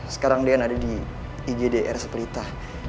sekarang dean ada di igdr sepelita